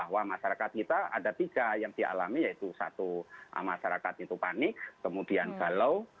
bahwa masyarakat kita ada tiga yang dialami yaitu satu masyarakat itu panik kemudian galau